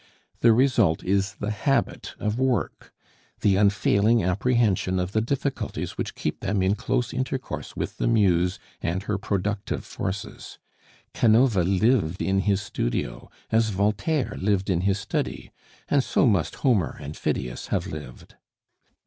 The result is the habit of work, the unfailing apprehension of the difficulties which keep them in close intercourse with the Muse and her productive forces. Canova lived in his studio, as Voltaire lived in his study; and so must Homer and Phidias have lived.